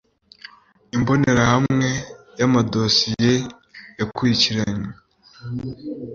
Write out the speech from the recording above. imbonerahamwe y'amadosiye yakurikiranywe